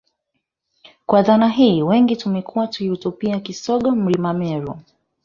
Kwa dhana hii wengi tumekuwa tukiutupia kisogo Mlima Meru